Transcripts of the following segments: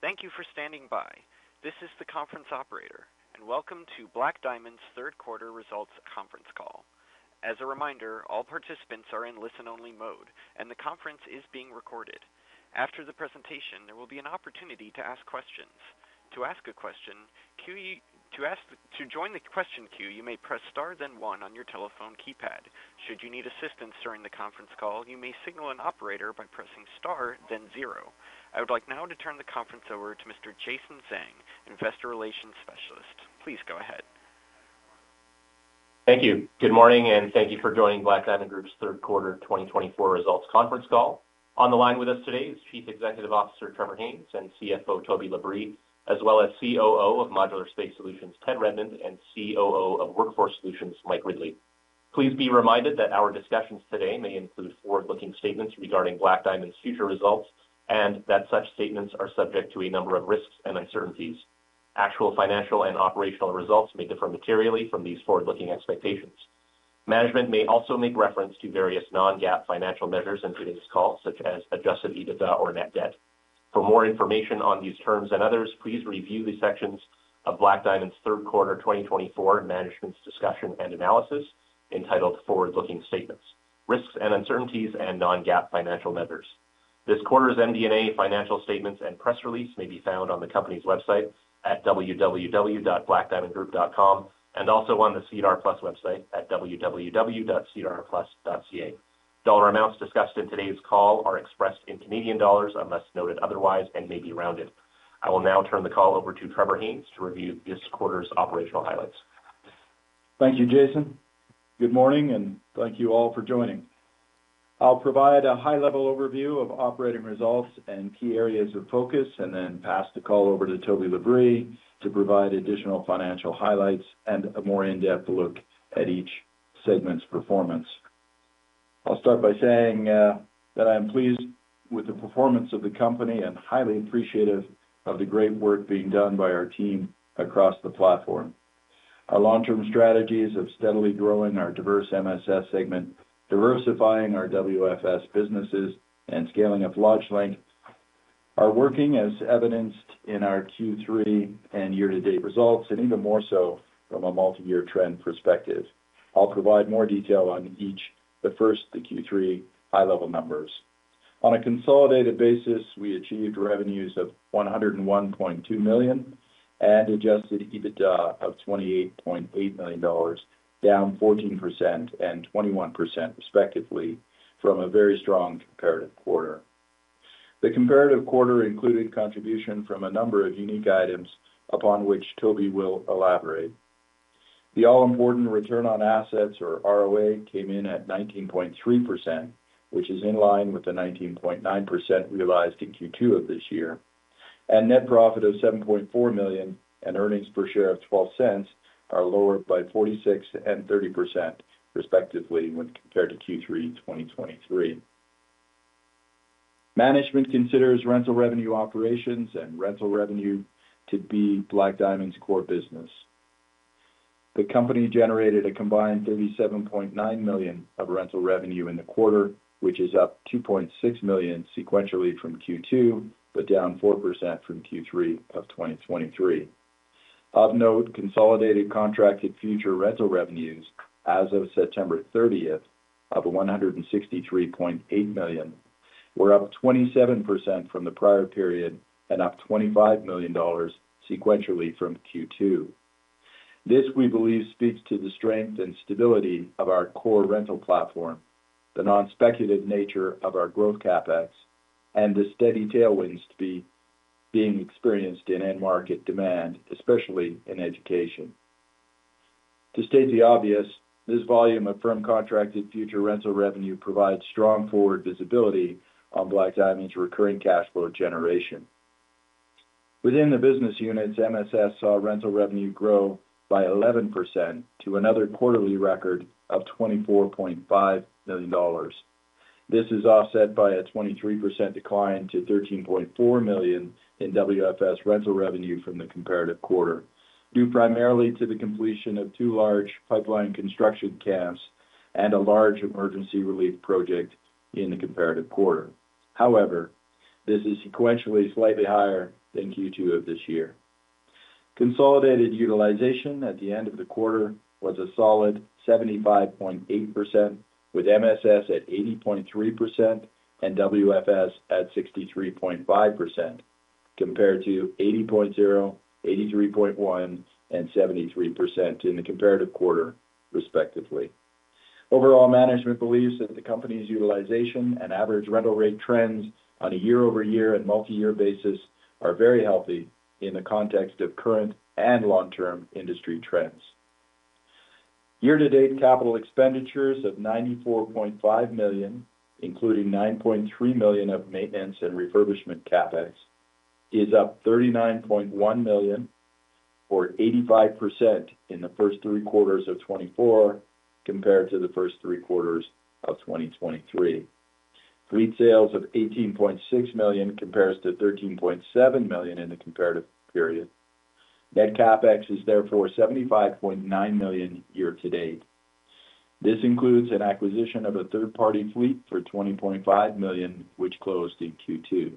Thank you for standing by. This is the conference operator, and welcome to Black Diamond's Third Quarter Results Conference Call. As a reminder, all participants are in listen-only mode, and the conference is being recorded. After the presentation, there will be an opportunity to ask questions. To ask a question, you may press star, then one on your telephone keypad. Should you need assistance during the conference call, you may signal an operator by pressing star, then zero. I would now like to turn the conference over to Mr. Jason Zhang, Investor Relations Specialist. Please go ahead. Thank you. Good morning, and thank you for joining Black Diamond Group's Third Quarter 2024 results conference call. On the line with us today is Chief Executive Officer Trevor Haynes and Chief Finance Officer Toby LaBrie, as well as Chief Operating Officer of Modular Space Solutions Ted Redmond and Chief Operating Officer of Workforce Solutions Mike Ridley. Please be reminded that our discussions today may include forward-looking statements regarding Black Diamond's future results, and that such statements are subject to a number of risks and uncertainties. Actual financial and operational results may differ materially from these forward-looking expectations. Management may also make reference to various non-GAAP financial measures in today's call, such as adjusted EBITDA or net debt. For more information on these terms and others, please review the sections of Black Diamond's third quarter 2024 management's discussion and analysis entitled Forward-Looking Statements: Risks and Uncertainties and Non-GAAP Financial Measures. This quarter's MD&A financial statements and press release may be found on the company's website at www.blackdiamondgroup.com and also on the SEDAR+ website at www.sedarplus.ca. Dollar amounts discussed in today's call are expressed in Canadian dollars unless noted otherwise and may be rounded. I will now turn the call over to Trevor Haynes to review this quarter's operational highlights. Thank you, Jason. Good morning, and thank you all for joining. I'll provide a high-level overview of operating results and key areas of focus, and then pass the call over to Toby LaBrie to provide additional financial highlights and a more in-depth look at each segment's performance. I'll start by saying that I am pleased with the performance of the company and highly appreciative of the great work being done by our team across the platform. Our long-term strategies of steadily growing our diverse MSS segment, diversifying our WFS businesses, and scaling up LodgeLink are working, as evidenced in our Q3 and year-to-date results, and even more so from a multi-year trend perspective. I'll provide more detail on each, but first the Q3 high-level numbers. On a consolidated basis, we achieved revenues of 101.2 million and adjusted EBITDA of 28.8 million dollars, down 14% and 21% respectively from a very strong comparative quarter. The comparative quarter included contribution from a number of unique items upon which Toby will elaborate. The all-important return on assets, or ROA, came in at 19.3%, which is in line with the 19.9% realized in Q2 of this year. And net profit of 7.4 million and earnings per share of 0.12 are lower by 46% and 30% respectively when compared to Q3 2023. Management considers rental revenue operations and rental revenue to be Black Diamond's core business. The company generated a combined 37.9 million of rental revenue in the quarter, which is up 2.6 million sequentially from Q2, but down 4% from Q3 of 2023. Of note, consolidated contracted future rental revenues as of September 30th of 163.8 million were up 27% from the prior period and up 25 million dollars sequentially from Q2. This, we believe, speaks to the strength and stability of our core rental platform, the non-speculative nature of our growth CapEx, and the steady tailwinds to be being experienced in end-market demand, especially in education. To state the obvious, this volume of firm contracted future rental revenue provides strong forward visibility on Black Diamond's recurring cash flow generation. Within the business units, MSS saw rental revenue grow by 11% to another quarterly record of 24.5 million dollars. This is offset by a 23% decline to 13.4 million in WFS rental revenue from the comparative quarter, due primarily to the completion of two large pipeline construction camps and a large emergency relief project in the comparative quarter. However, this is sequentially slightly higher than Q2 of this year. Consolidated utilization at the end of the quarter was a solid 75.8%, with MSS at 80.3% and WFS at 63.5%, compared to 80.0%, 83.1%, and 73% in the comparative quarter respectively. Overall, management believes that the company's utilization and average rental rate trends on a year-over-year and multi-year basis are very healthy in the context of current and long-term industry trends. Year-to-date capital expenditures of 94.5 million, including 9.3 million of maintenance and refurbishment CapEx, is up 39.1 million, or 85% in the first three quarters of 2024 compared to the first three quarters of 2023. Fleet sales of 18.6 million compares to 13.7 million in the comparative period. Net CapEx is therefore 75.9 million year-to-date. This includes an acquisition of a third-party fleet for 20.5 million, which closed in Q2.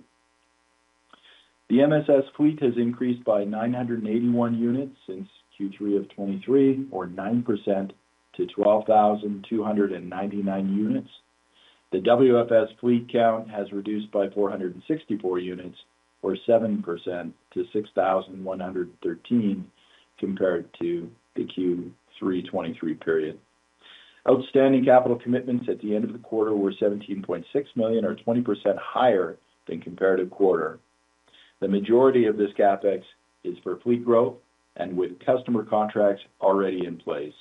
The MSS fleet has increased by 981 units since Q3 of 2023, or 9% to 12,299 units. The WFS fleet count has reduced by 464 units, or 7% to 6,113 compared to the Q3 2023 period. Outstanding capital commitments at the end of the quarter were 17.6 million, or 20% higher than comparative quarter. The majority of this CapEx is for fleet growth and with customer contracts already in place.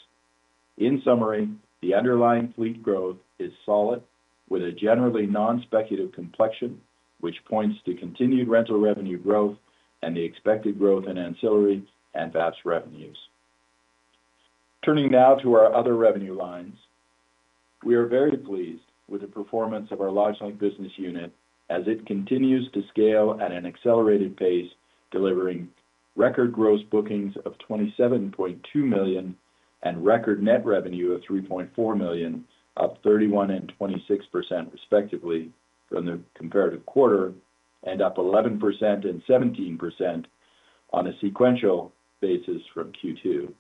In summary, the underlying fleet growth is solid, with a generally non-speculative complexion, which points to continued rental revenue growth and the expected growth in ancillary and VAPS revenues. Turning now to our other revenue lines, we are very pleased with the performance of our large-type business unit as it continues to scale at an accelerated pace, delivering record gross bookings of 27.2 million and record net revenue of 3.4 million, up 31% and 26% respectively from the comparative quarter, and up 11% and 17% on a sequential basis from Q2.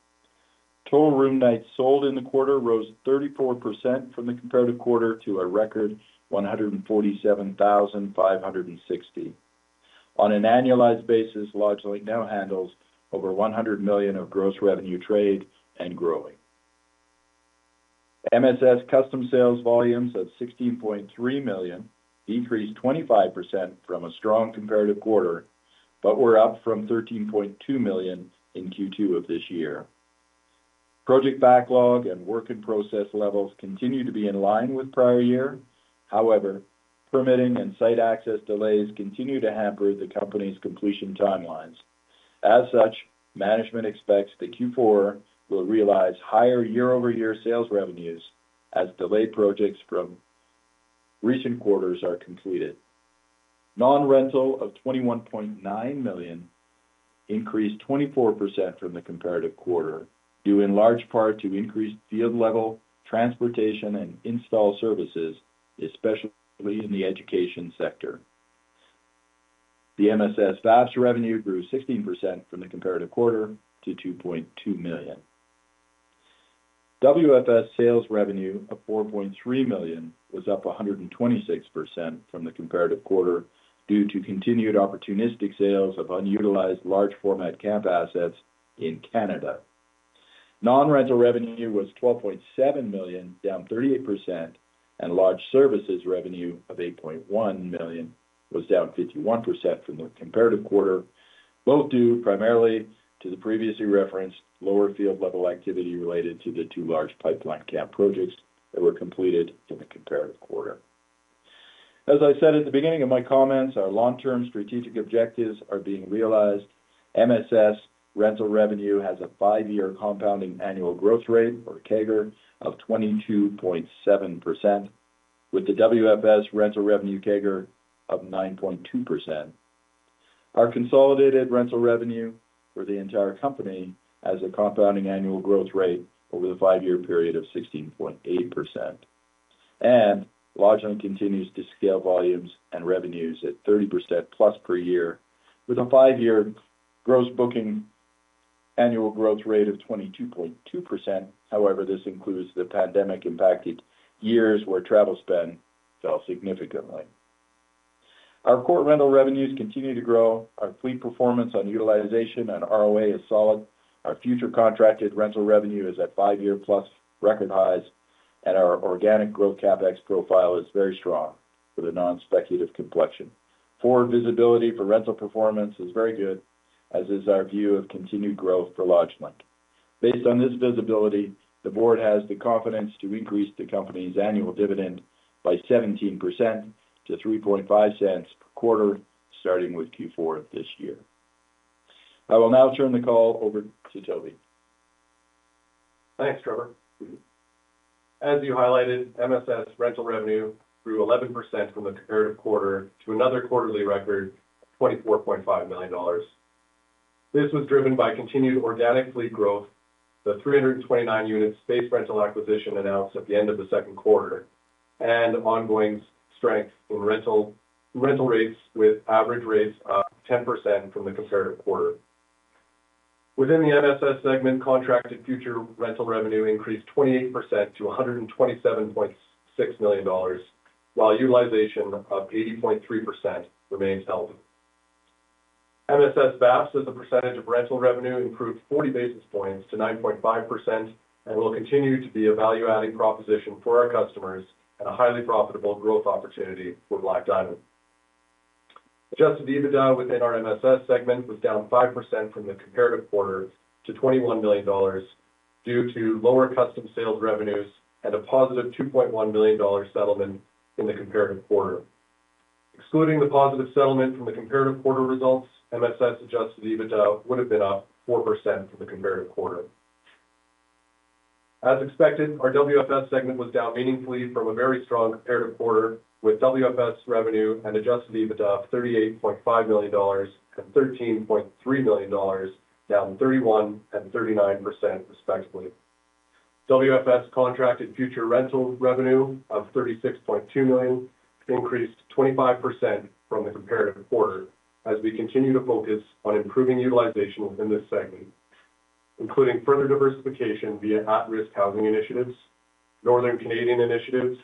Total room nights sold in the quarter rose 34% from the comparative quarter to a record 147,560. On an annualized basis, LodgeLink now handles over 100 million of gross revenue trade and growing. MSS custom sales volumes of 16.3 million decreased 25% from a strong comparative quarter, but were up from 13.2 million in Q2 of this year. Project backlog and work in process levels continue to be in line with prior year. However, permitting and site access delays continue to hamper the company's completion timelines. As such, management expects that Q4 will realize higher year-over-year sales revenues as delayed projects from recent quarters are completed. Non-rental of 21.9 million increased 24% from the comparative quarter, due in large part to increased field-level transportation and install services, especially in the education sector. The MSS VAPS revenue grew 16% from the comparative quarter to 2.2 million. WFS sales revenue of 4.3 million was up 126% from the comparative quarter due to continued opportunistic sales of unutilized large-format camp assets in Canada. Non-rental revenue was 12.7 million, down 38%, and lodge services revenue of 8.1 million was down 51% from the comparative quarter, both due primarily to the previously referenced lower field-level activity related to the two large pipeline camp projects that were completed in the comparative quarter. As I said at the beginning of my comments, our long-term strategic objectives are being realized. MSS rental revenue has a five-year compound annual growth rate, or CAGR, of 22.7%, with the WFS rental revenue CAGR of 9.2%. Our consolidated rental revenue for the entire company has a compound annual growth rate over the five-year period of 16.8%. And LodgeLink continues to scale volumes and revenues at 30% plus per year, with a five-year gross booking annual growth rate of 22.2%. However, this includes the pandemic-impacted years where travel spend fell significantly. Our core rental revenues continue to grow. Our fleet performance on utilization and ROA is solid. Our future contracted rental revenue is at five-year plus record highs, and our organic growth CapEx profile is very strong for the non-speculative complexion. Forward visibility for rental performance is very good, as is our view of continued growth for LodgeLink. Based on this visibility, the board has the confidence to increase the company's annual dividend by 17% to 0.035 per quarter, starting with Q4 of this year. I will now turn the call over to Toby. Thanks, Trevor. As you highlighted, MSS rental revenue grew 11% from the comparative quarter to another quarterly record of 24.5 million dollars. This was driven by continued organic fleet growth, the 329-unit space rental acquisition announced at the end of the second quarter, and ongoing strength in rental rates with average rates of 10% from the comparative quarter. Within the MSS segment, contracted future rental revenue increased 28% to 127.6 million dollars, while utilization of 80.3% remains healthy. MSS VAPS, as a percentage of rental revenue, improved 40 basis points to 9.5% and will continue to be a value-adding proposition for our customers and a highly profitable growth opportunity for Black Diamond. Adjusted EBITDA within our MSS segment was down 5% from the comparative quarter to 21 million dollars due to lower custom sales revenues and a positive 2.1 million dollar settlement in the comparative quarter. Excluding the positive settlement from the comparative quarter results, MSS adjusted EBITDA would have been up 4% from the comparative quarter. As expected, our WFS segment was down meaningfully from a very strong comparative quarter with WFS revenue and adjusted EBITDA of 38.5 million dollars and 13.3 million dollars, down 31% and 39% respectively. WFS contracted future rental revenue of 36.2 million increased 25% from the comparative quarter as we continue to focus on improving utilization within this segment, including further diversification via at-risk housing initiatives, Northern Canadian initiatives,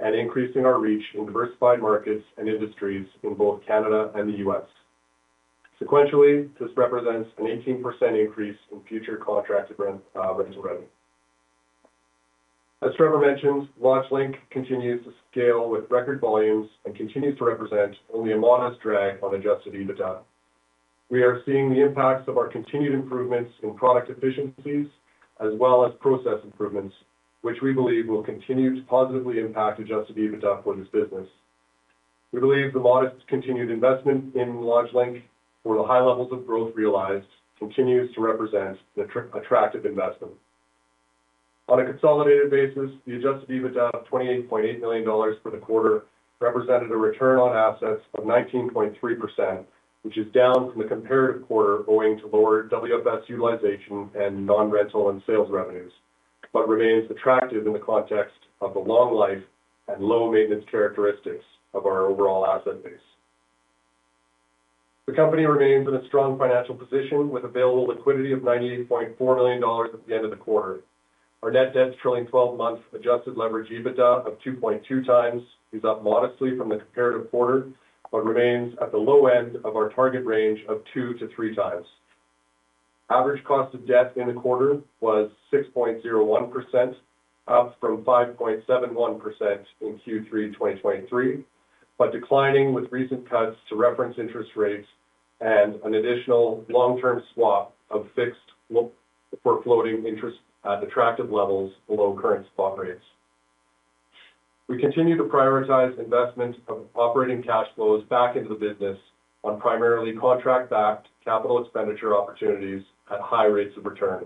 and increasing our reach in diversified markets and industries in both Canada and the U.S. Sequentially, this represents an 18% increase in future contracted rental revenue. As Trevor mentioned, LodgeLink continues to scale with record volumes and continues to represent only a modest drag on adjusted EBITDA. We are seeing the impacts of our continued improvements in product efficiencies as well as process improvements, which we believe will continue to positively impact Adjusted EBITDA for this business. We believe the modest continued investment in LodgeLink for the high levels of growth realized continues to represent an attractive investment. On a consolidated basis, the Adjusted EBITDA of 28.8 million dollars for the quarter represented a return on assets of 19.3%, which is down from the comparative quarter owing to lower WFS utilization and non-rental and sales revenues, but remains attractive in the context of the long life and low maintenance characteristics of our overall asset base. The company remains in a strong financial position with available liquidity of 98.4 million dollars at the end of the quarter. Our net debt to trailing 12-month Adjusted EBITDA of 2.2 times is up modestly from the comparative quarter, but remains at the low end of our target range of two to three times. Average cost of debt in the quarter was 6.01%, up from 5.71% in Q3 2023, but declining with recent cuts to reference interest rates and an additional long-term swap of fixed for floating interest at attractive levels below current swap rates. We continue to prioritize investment of operating cash flows back into the business on primarily contract-backed capital expenditure opportunities at high rates of return.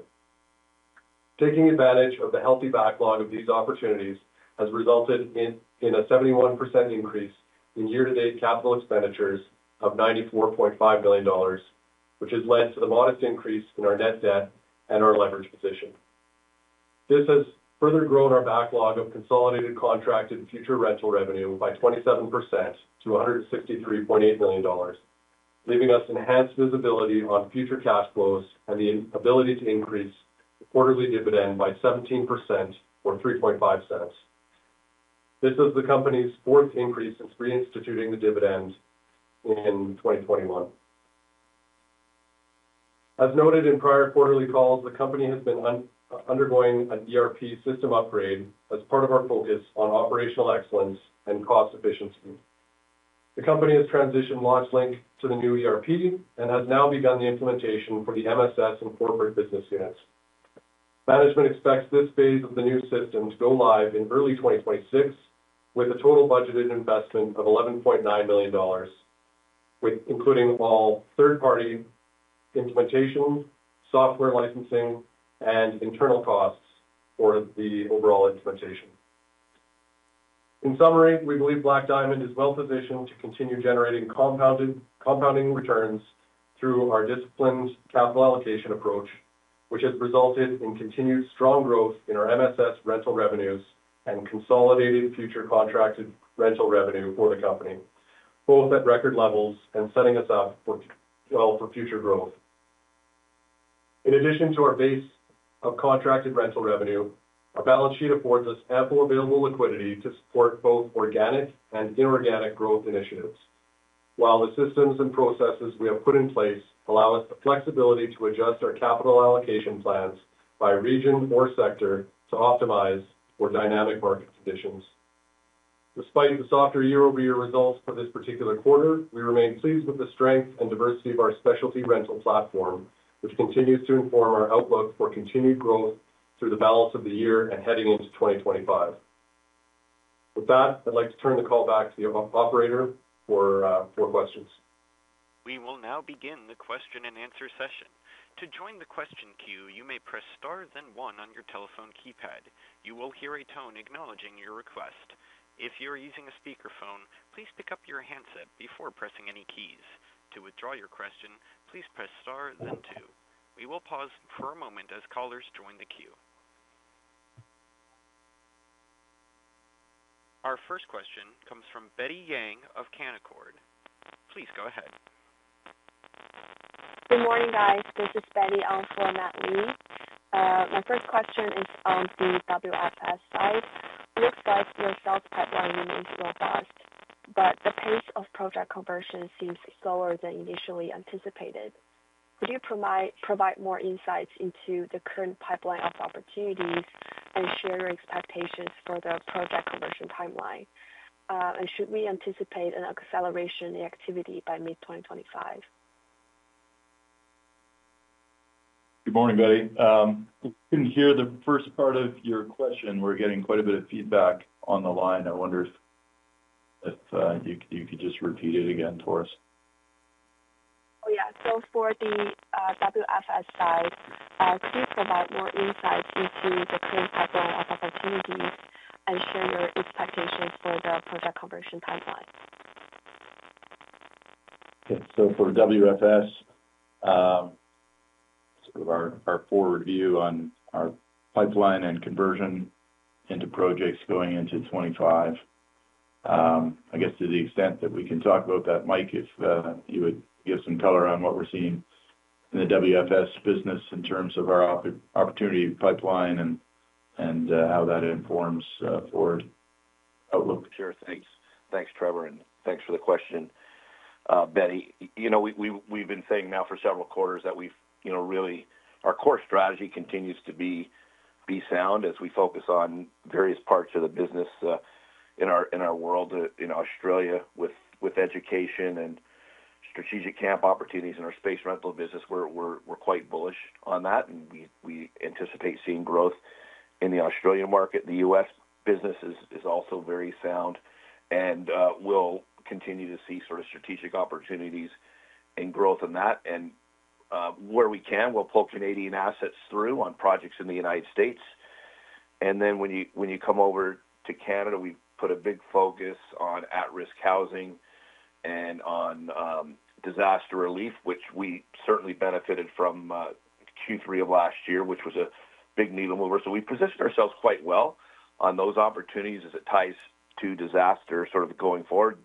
Taking advantage of the healthy backlog of these opportunities has resulted in a 71% increase in year-to-date capital expenditures of 94.5 million dollars, which has led to the modest increase in our net debt and our leverage position. This has further grown our backlog of consolidated contracted future rental revenue by 27% to 163.8 million dollars, leaving us enhanced visibility on future cash flows and the ability to increase the quarterly dividend by 17% or 0.035. This is the company's fourth increase since reinstituting the dividend in 2021. As noted in prior quarterly calls, the company has been undergoing an ERP system upgrade as part of our focus on operational excellence and cost efficiency. The company has transitioned LodgeLink to the new ERP and has now begun the implementation for the MSS and corporate business units. Management expects this phase of the new system to go live in early 2026, with a total budgeted investment of 11.9 million dollars, including all third-party implementation, software licensing, and internal costs for the overall implementation. In summary, we believe Black Diamond is well-positioned to continue generating compounding returns through our disciplined capital allocation approach, which has resulted in continued strong growth in our MSS rental revenues and consolidated future contracted rental revenue for the company, both at record levels and setting us up well for future growth. In addition to our base of contracted rental revenue, our balance sheet affords us ample available liquidity to support both organic and inorganic growth initiatives, while the systems and processes we have put in place allow us the flexibility to adjust our capital allocation plans by region or sector to optimize for dynamic market conditions. Despite the softer year-over-year results for this particular quarter, we remain pleased with the strength and diversity of our specialty rental platform, which continues to inform our outlook for continued growth through the balance of the year and heading into 2025. With that, I'd like to turn the call back to the operator for questions. We will now begin the question and answer session. To join the question queue, you may press star then one on your telephone keypad. You will hear a tone acknowledging your request. If you are using a speakerphone, please pick up your handset before pressing any keys. To withdraw your question, please press star then two. We will pause for a moment as callers join the queue. Our first question comes from Betty Yang of Canaccord. Please go ahead. Good morning, guys. This is Betty Yang, for Matt Lee. My first question is on the WFS side. It looks like your sales pipeline remains robust, but the pace of project conversion seems slower than initially anticipated. Could you provide more insights into the current pipeline of opportunities and share your expectations for the project conversion timeline? And should we anticipate an acceleration in the activity by mid-2025? Good morning, Betty. I couldn't hear the first part of your question. We're getting quite a bit of feedback on the line. I wonder if you could just repeat it again for us. Oh, yeah. So for the WFS side, could you provide more insights into the current pipeline of opportunities and share your expectations for the project conversion timeline? Okay. So for WFS, sort of our forward view on our pipeline and conversion into projects going into 2025, I guess to the extent that we can talk about that, Mike, if you would give some color on what we're seeing in the WFS business in terms of our opportunity pipeline and how that informs forward outlook. Sure. Thanks. Thanks, Trevor, and thanks for the question, Betty. We've been saying now for several quarters that our core strategy continues to be sound as we focus on various parts of the business in Australia with execution and strategic camp opportunities in our space rental business. We're quite bullish on that, and we anticipate seeing growth in the Australian market. The US business is also very sound, and we'll continue to see sort of strategic opportunities and growth in that, and where we can, we'll pull Canadian assets through on projects in the United States, and then when you come over to Canada, we put a big focus on at-risk housing and on disaster relief, which we certainly benefited from Q3 of last year, which was a big needle mover. So we positioned ourselves quite well on those opportunities as it ties to disaster sort of going forward.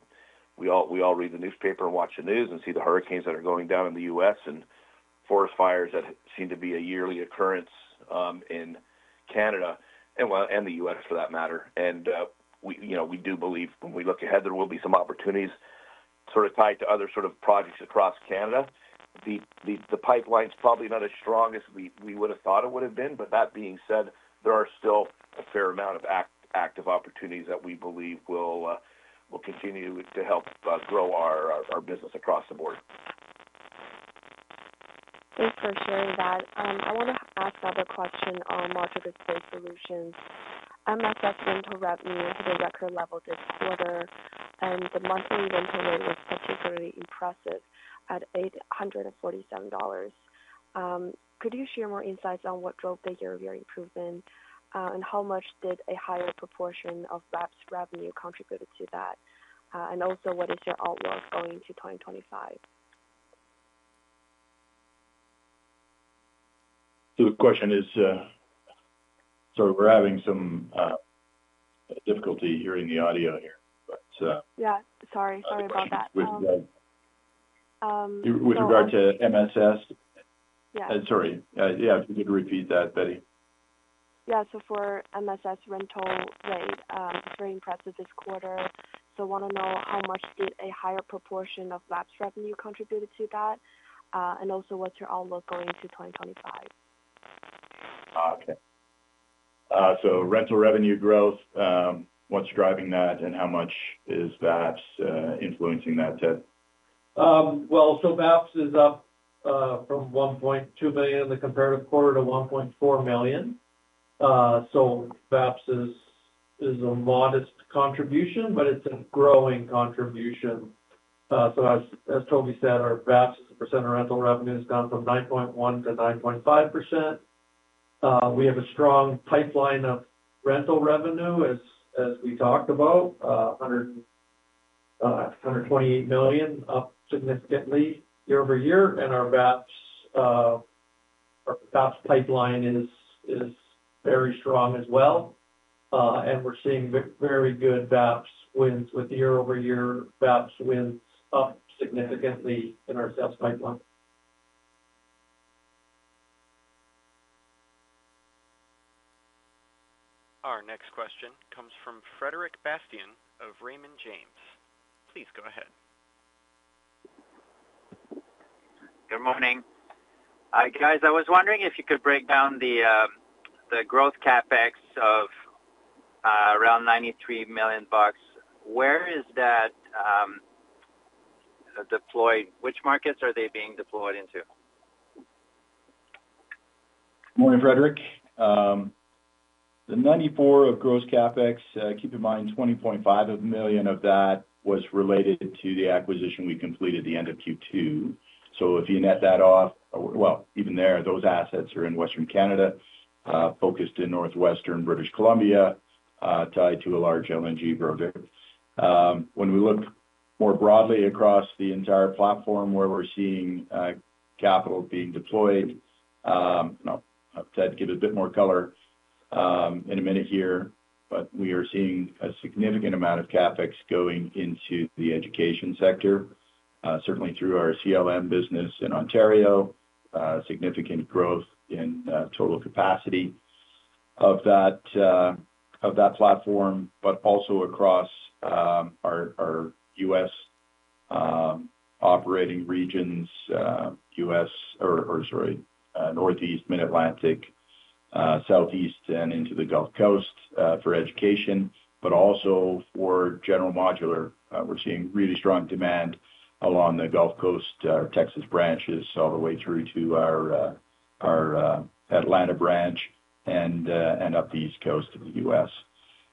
We all read the newspaper and watch the news and see the hurricanes that are going down in the US and forest fires that seem to be a yearly occurrence in Canada and the US, for that matter. And we do believe when we look ahead, there will be some opportunities sort of tied to other sort of projects across Canada. The pipeline's probably not as strong as we would have thought it would have been, but that being said, there are still a fair amount of active opportunities that we believe will continue to help grow our business across the board. Thanks for sharing that. I want to ask another question on modular space solutions. MSS rental revenue to the record level this quarter, and the monthly rental rate was particularly impressive at 847 dollars. Could you share more insights on what drove the year-over-year improvement, and how much did a higher proportion of VAPS revenue contribute to that? And also, what is your outlook going into 2025? So the question is. Sorry, we're having some difficulty hearing the audio here, but. Yeah. Sorry. Sorry about that. With regard to MSS? Yeah. Sorry. Yeah. If you could repeat that, Betty. Yeah. So for MSS rental rate, it's very impressive this quarter. So I want to know how much did a higher proportion of VAPS revenue contribute to that, and also what's your outlook going into 2025? Okay. So rental revenue growth, what's driving that, and how much is VAPS influencing that? VAPS is up from 1.2 million in the comparative quarter to 1.4 million. VAPS is a modest contribution, but it's a growing contribution. As Toby said, our VAPS percent of rental revenue has gone from 9.1%-9.5%. We have a strong pipeline of rental revenue, as we talked about, 128 million, up significantly year-over-year. Our VAPS pipeline is very strong as well. We're seeing very good VAPS wins with year-over-year VAPS wins up significantly in our sales pipeline. Our next question comes from Frederic Bastien of Raymond James. Please go ahead. Good morning. Guys, I was wondering if you could break down the growth CapEx of around 93 million bucks. Where is that deployed? Which markets are they being deployed into? Good morning, Frederic. The 94% of gross CapEx, keep in mind, 20.5 million of that was related to the acquisition we completed at the end of Q2. So if you net that off, well, even there, those assets are in Western Canada, focused in northwestern British Columbia, tied to a large LNG project. When we look more broadly across the entire platform where we're seeing capital being deployed, I'll try to give it a bit more color in a minute here, but we are seeing a significant amount of CapEx going into the education sector, certainly through our CLM business in Ontario, significant growth in total capacity of that platform, but also across our U.S. operating regions, U.S. or sorry, Northeast, Mid-Atlantic, Southeast, and into the Gulf Coast for education, but also for general modular. We're seeing really strong demand along the Gulf Coast, our Texas branches, all the way through to our Atlanta branch and up the East Coast of the U.S.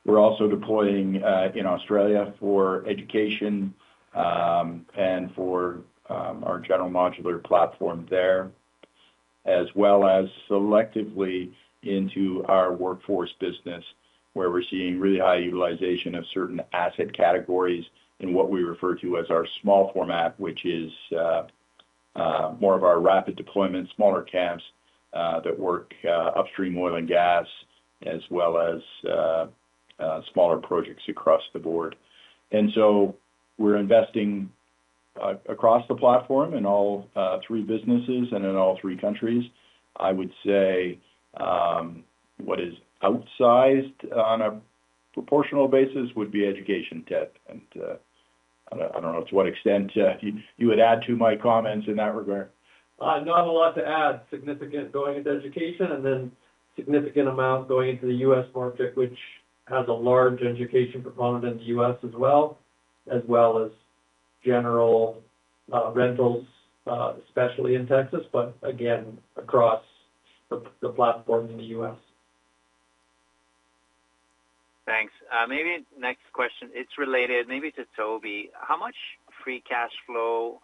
We're also deploying in Australia for education and for our general modular platform there, as well as selectively into our workforce business, where we're seeing really high utilization of certain asset categories in what we refer to as our small format, which is more of our rapid deployment, smaller camps that work upstream oil and gas, as well as smaller projects across the board. And so we're investing across the platform in all three businesses and in all three countries. I would say what is outsized on a proportional basis would be education. Ted, and I don't know to what extent you would add to my comments in that regard. Not a lot to add. Significant going into education and then significant amount going into the U.S. market, which has a large education component in the U.S. as well, as well as general rentals, especially in Texas, but again, across the platform in the U.S. Thanks. Maybe next question. It's related maybe to Toby. How much free cash flow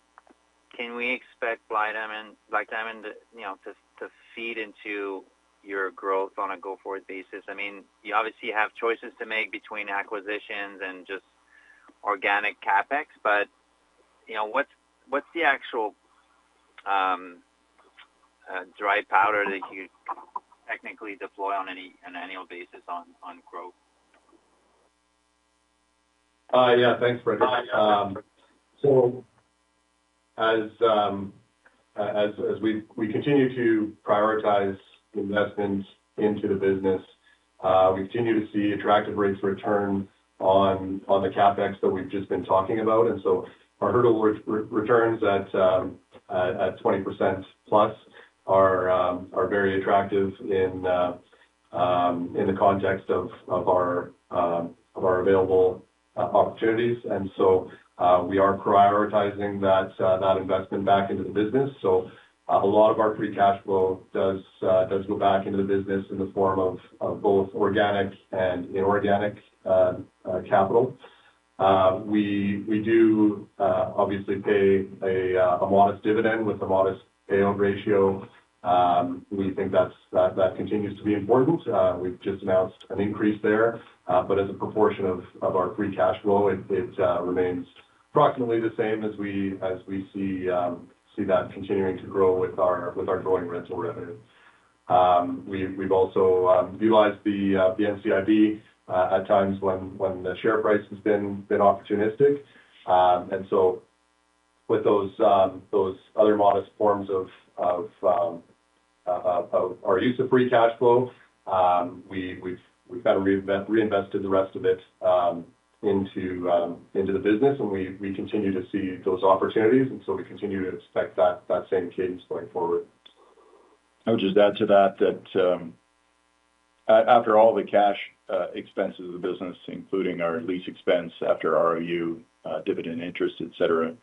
can we expect Black Diamond to feed into your growth on a go-forward basis? I mean, you obviously have choices to make between acquisitions and just organic CapEx, but what's the actual dry powder that you technically deploy on an annual basis on growth? Yeah. Thanks, Frederic. So as we continue to prioritize investments into the business, we continue to see attractive rates of return on the CapEx that we've just been talking about. And so our hurdle returns at 20% plus are very attractive in the context of our available opportunities. And so we are prioritizing that investment back into the business. So a lot of our free cash flow does go back into the business in the form of both organic and inorganic capital. We do obviously pay a modest dividend with a modest payout ratio. We think that continues to be important. We've just announced an increase there. But as a proportion of our free cash flow, it remains approximately the same as we see that continuing to grow with our growing rental revenue. We've also utilized the NCIB at times when the share price has been opportunistic. With those other modest forms of our use of free cash flow, we've kind of reinvested the rest of it into the business, and we continue to see those opportunities. We continue to expect that same cadence going forward. I would just add to that that after all the cash expenses of the business, including our lease expense after ROU, dividend interest, etc.,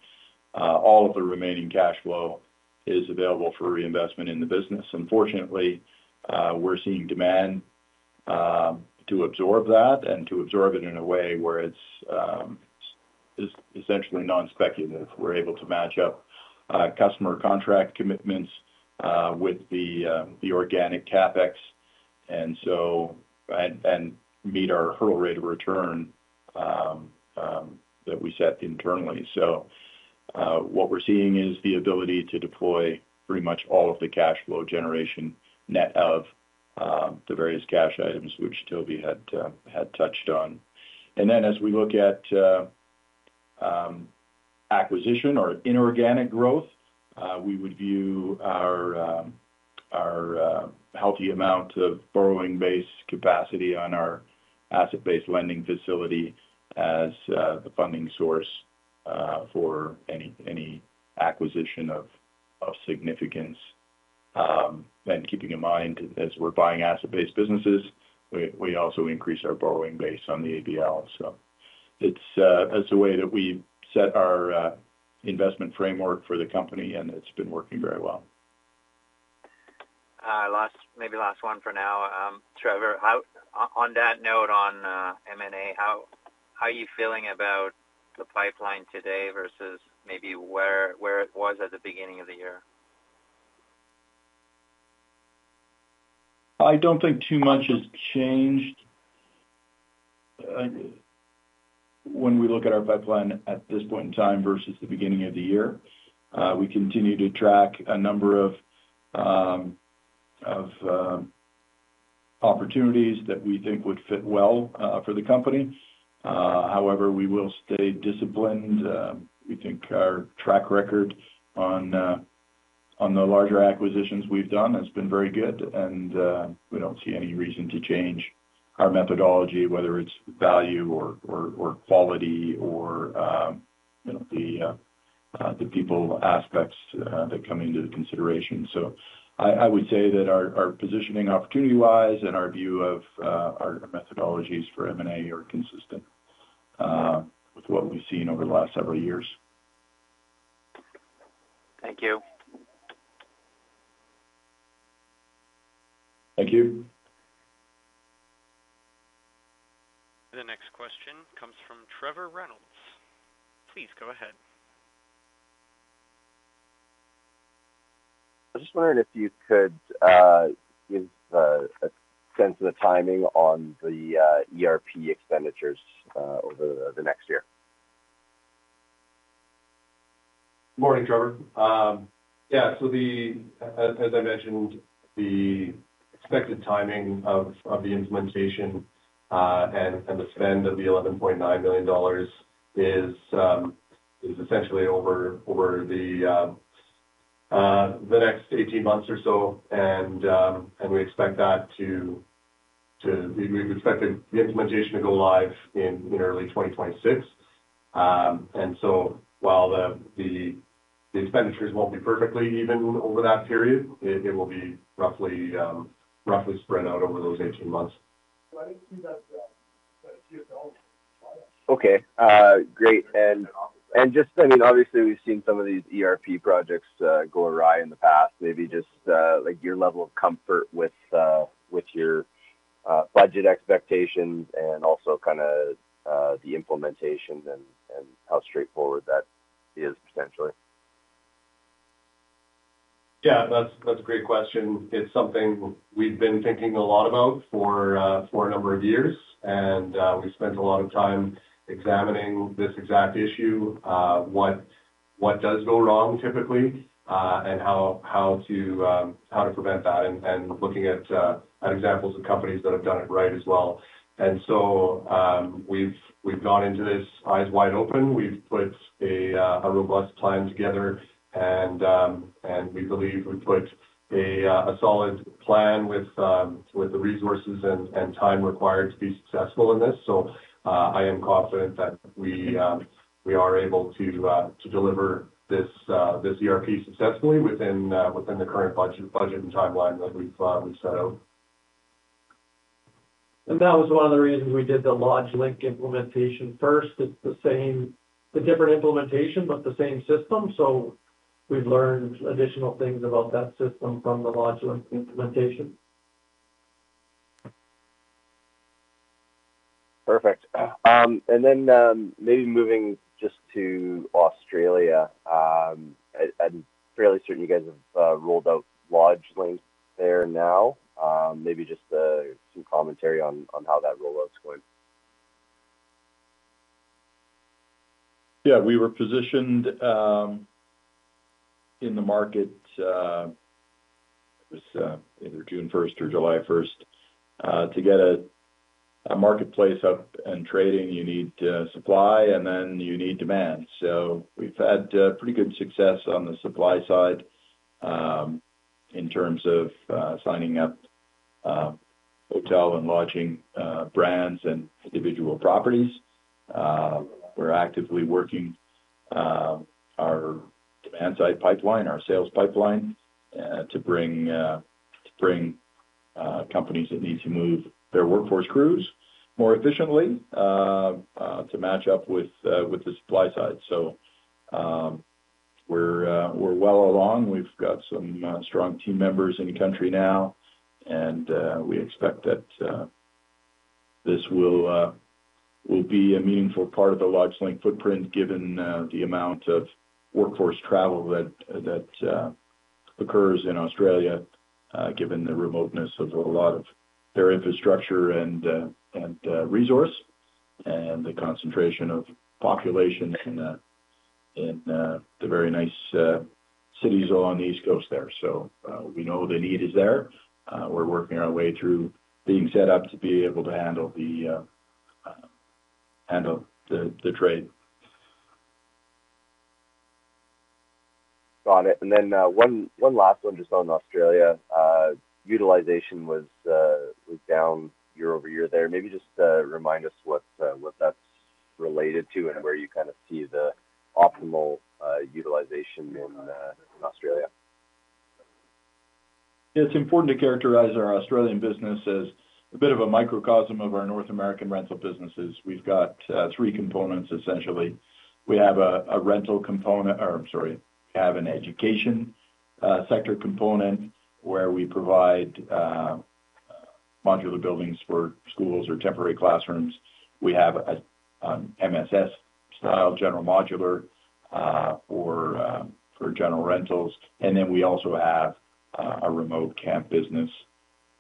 all of the remaining cash flow is available for reinvestment in the business. Unfortunately, we're seeing demand to absorb that and to absorb it in a way where it's essentially non-speculative. We're able to match up customer contract commitments with the organic CapEx and meet our hurdle rate of return that we set internally, so what we're seeing is the ability to deploy pretty much all of the cash flow generation net of the various cash items, which Toby had touched on, and then as we look at acquisition or inorganic growth, we would view our healthy amount of borrowing-based capacity on our asset-based lending facility as the funding source for any acquisition of significance. And keeping in mind, as we're buying asset-based businesses, we also increase our borrowing base on the ABL. So that's the way that we set our investment framework for the company, and it's been working very well. Maybe last one for now, Trevor. On that note on M&A, how are you feeling about the pipeline today versus maybe where it was at the beginning of the year? I don't think too much has changed when we look at our pipeline at this point in time versus the beginning of the year. We continue to track a number of opportunities that we think would fit well for the company. However, we will stay disciplined. We think our track record on the larger acquisitions we've done has been very good, and we don't see any reason to change our methodology, whether it's value or quality or the people aspects that come into consideration. So I would say that our positioning opportunity-wise and our view of our methodologies for M&A are consistent with what we've seen over the last several years. Thank you. Thank you. The next question comes from Trevor Reynolds. Please go ahead. I was just wondering if you could give a sense of the timing on the ERP expenditures over the next year? Good morning, Trevor. Yeah. So as I mentioned, the expected timing of the implementation and the spend of the 11.9 million dollars is essentially over the next 18 months or so. And we expect the implementation to go live in early 2026. And so while the expenditures won't be perfectly even over that period, it will be roughly spread out over those 18 months. Okay. Great. And just, I mean, obviously, we've seen some of these ERP projects go awry in the past. Maybe just your level of comfort with your budget expectations and also kind of the implementation and how straightforward that is potentially? Yeah. That's a great question. It's something we've been thinking a lot about for a number of years, and we've spent a lot of time examining this exact issue, what does go wrong typically, and how to prevent that, and looking at examples of companies that have done it right as well, and so we've gone into this eyes wide open. We've put a robust plan together, and we believe we've put a solid plan with the resources and time required to be successful in this, so I am confident that we are able to deliver this ERP successfully within the current budget and timeline that we've set out. And that was one of the reasons we did the LodgeLink implementation first. It's the same different implementation, but the same system. So we've learned additional things about that system from the LodgeLink implementation. Perfect. And then maybe moving just to Australia, I'm fairly certain you guys have rolled out LodgeLink there now. Maybe just some commentary on how that rollout's going. Yeah. We were positioned in the market. It was either June 1st or July 1st to get a marketplace up and trading. You need supply, and then you need demand. So we've had pretty good success on the supply side in terms of signing up hotel and lodging brands and individual properties. We're actively working our demand-side pipeline, our sales pipeline, to bring companies that need to move their workforce crews more efficiently to match up with the supply side. So we're well along. We've got some strong team members in the country now, and we expect that this will be a meaningful part of the LodgeLink footprint given the amount of workforce travel that occurs in Australia, given the remoteness of a lot of their infrastructure and resource, and the concentration of population in the very nice cities along the East Coast there. So we know the need is there. We're working our way through being set up to be able to handle the trade. Got it. And then one last one just on Australia. Utilization was down year-over-year there. Maybe just remind us what that's related to and where you kind of see the optimal utilization in Australia? Yeah. It's important to characterize our Australian business as a bit of a microcosm of our North American rental businesses. We've got three components, essentially. We have a rental component or I'm sorry, we have an education sector component where we provide modular buildings for schools or temporary classrooms. We have an MSS-style general modular for general rentals. And then we also have a remote camp business.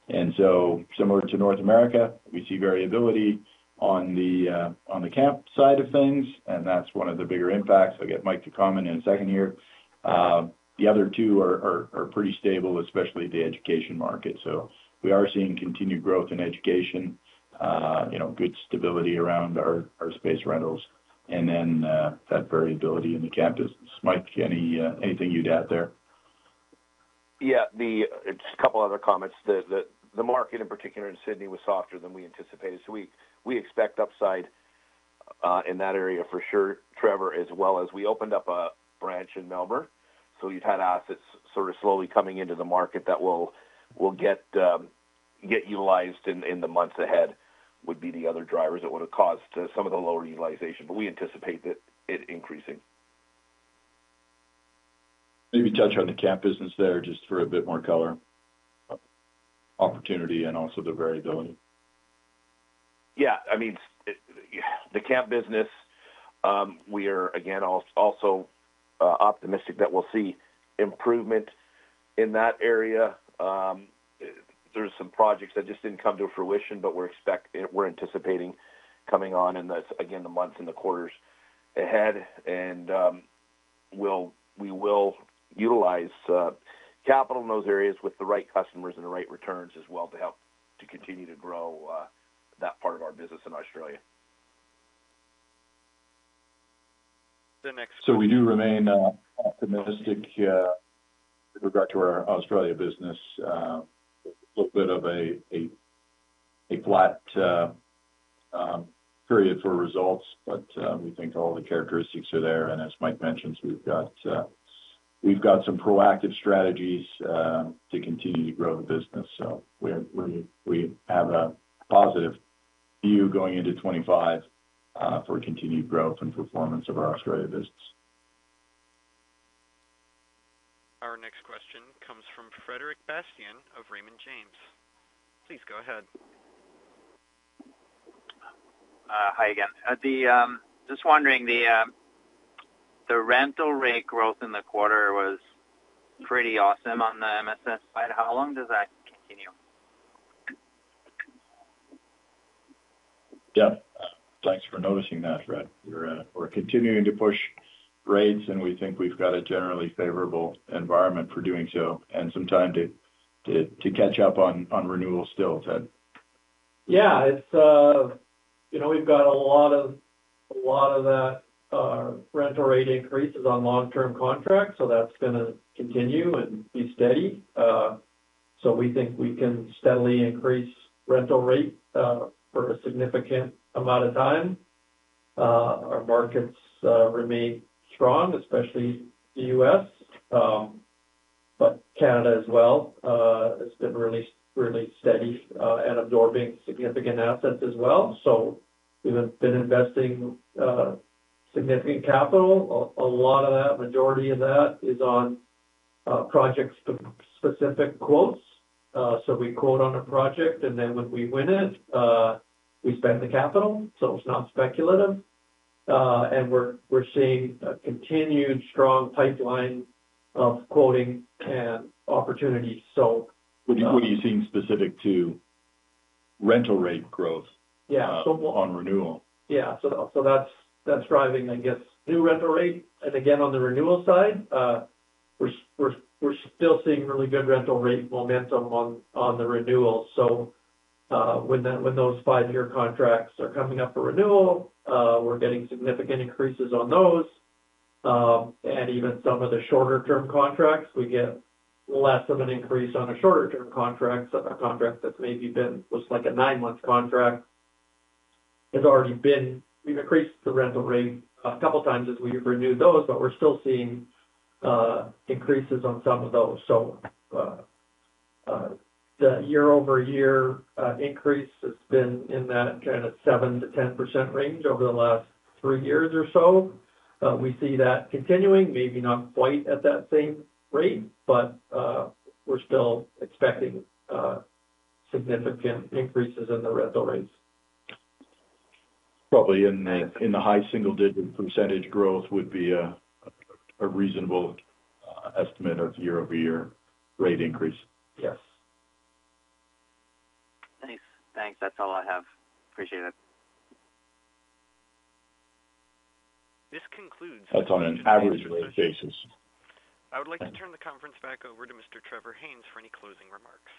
And so similar to North America, we see variability on the camp side of things, and that's one of the bigger impacts. I'll get Mike to comment in a second here. The other two are pretty stable, especially the education market. So we are seeing continued growth in education, good stability around our space rentals, and then that variability in the camp business. Mike, anything you'd add there? Yeah. Just a couple of other comments. The market, in particular, in Sydney was softer than we anticipated. So we expect upside in that area for sure, Trevor, as well as we opened up a branch in Melbourne. So you've had assets sort of slowly coming into the market that will get utilized in the months ahead, would be the other drivers that would have caused some of the lower utilization. But we anticipate it increasing. Maybe touch on the camp business there just for a bit more color, opportunity, and also the variability. Yeah. I mean, the camp business, we are, again, also optimistic that we'll see improvement in that area. There are some projects that just didn't come to fruition, but we're anticipating coming on in, again, the months and the quarters ahead, and we will utilize capital in those areas with the right customers and the right returns as well to continue to grow that part of our business in Australia. The next question. So we do remain optimistic with regard to our Australia business. A little bit of a flat period for results, but we think all the characteristics are there. And as Mike mentioned, we've got some proactive strategies to continue to grow the business. So we have a positive view going into 2025 for continued growth and performance of our Australia business. Our next question comes from Frederic Bastien of Raymond James. Please go ahead. Hi again. Just wondering, the rental rate growth in the quarter was pretty awesome on the MSS side. How long does that continue? Yeah. Thanks for noticing that, Fred. We're continuing to push rates, and we think we've got a generally favorable environment for doing so and some time to catch up on renewal still, Ted. Yeah. We've got a lot of that rental rate increases on long-term contracts, so that's going to continue and be steady, so we think we can steadily increase rental rate for a significant amount of time. Our markets remain strong, especially the U.S., but Canada as well. It's been really steady and absorbing significant assets as well, so we've been investing significant capital. A lot of that, majority of that, is on project-specific quotes, so we quote on a project, and then when we win it, we spend the capital, so it's not speculative, and we're seeing a continued strong pipeline of quoting and opportunities. What are you seeing specific to rental rate growth on renewal? Yeah. So that's driving, I guess, new rental rate. And again, on the renewal side, we're still seeing really good rental rate momentum on the renewal. So when those five-year contracts are coming up for renewal, we're getting significant increases on those. And even some of the shorter-term contracts, we get less of an increase on the shorter-term contracts. A contract that's maybe been just like a nine-month contract has already been, we've increased the rental rate a couple of times as we've renewed those, but we're still seeing increases on some of those. So the year-over-year increase has been in that kind of 7%-10% range over the last three years or so. We see that continuing, maybe not quite at that same rate, but we're still expecting significant increases in the rental rates. Probably in the high single-digit % growth would be a reasonable estimate of year-over-year rate increase. Yes. Thanks. Thanks. That's all I have. Appreciate it. This concludes. That's on an average basis. I would like to turn the conference back over to Mr. Trevor Haynes for any closing remarks.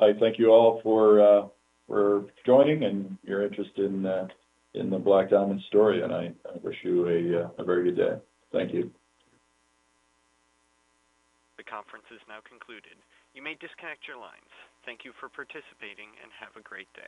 I thank you all for joining and your interest in the Black Diamond story, and I wish you a very good day. Thank you. The conference is now concluded. You may disconnect your lines. Thank you for participating and have a great day.